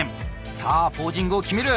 さあポージングを決める。